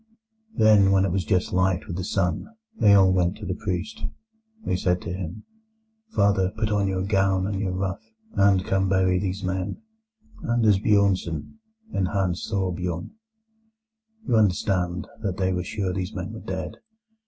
"Then, when it was just light with the sun, they all went to the priest. They said to him: "'Father, put on your gown and your ruff, and come to bury these men, Anders Bjornsen and Hans Thorbjorn.' "You understand that they were sure these men were dead.